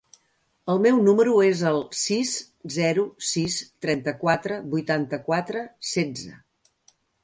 El meu número es el sis, zero, sis, trenta-quatre, vuitanta-quatre, setze.